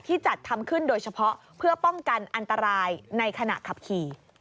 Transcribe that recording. จัดทำขึ้นโดยเฉพาะเพื่อป้องกันอันตรายในขณะขับขี่